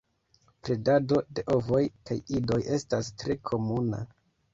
Predado de ovoj kaj idoj estas tre komuna.